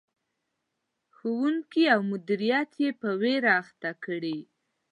ښوونکي او مدیریت یې په ویر اخته کړي.